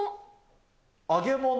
揚げ物の？